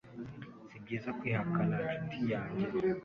sibyiza kwihakana, nshuti yanjye?